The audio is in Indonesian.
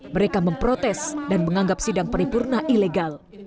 mereka memprotes dan menganggap sidang paripurna ilegal